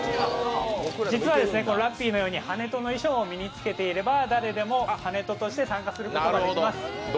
実はラッピーのように跳人の衣装を身に着けていれば誰でも跳人として参加することができます。